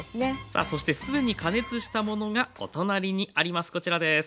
さあそして既に加熱したものがお隣にあります。